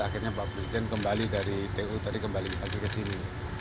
akhirnya pak presiden kembali dari tu tadi kembali lagi ke sini